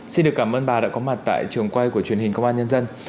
xin được cảm ơn bà đã có mặt tại trường quay của truyền hình công an nhân dân